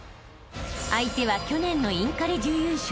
［相手は去年のインカレ準優勝］